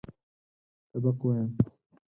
سبق وایم.